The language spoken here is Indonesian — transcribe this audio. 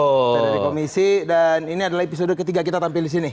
kita dari komisi dan ini adalah episode ketiga kita tampil di sini